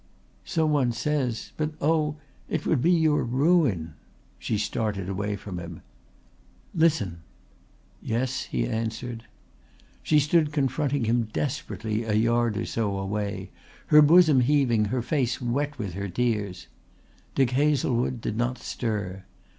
"So one says. But oh, it would be your ruin." She started away from him. "Listen!" "Yes," he answered. She stood confronting him desperately a yard or so away, her bosom heaving, her face wet with her tears. Dick Hazlewood did not stir.